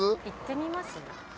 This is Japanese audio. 行ってみます？